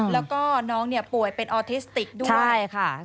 แล้วก็น้องป่วยเป็นออธิสติกด้วย